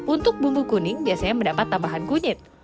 untuk bumbu kuning biasanya mendapat tambahan kunyit